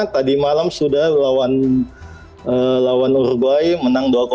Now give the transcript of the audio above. tadi malam sudah lawan uruguay menang dua